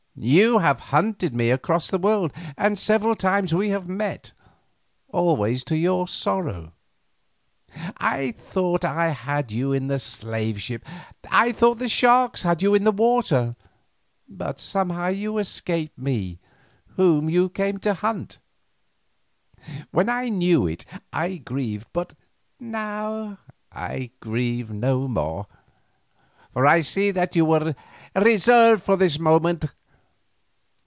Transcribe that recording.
You have hunted me across the world, and several times we have met, always to your sorrow. I thought I had you in the slave ship, I thought that the sharks had you in the water, but somehow you escaped me whom you came to hunt. When I knew it I grieved, but now I grieve no more, for I see that you were reserved for this moment.